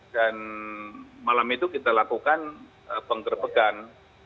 dan malam itu kita lakukan penggerpekan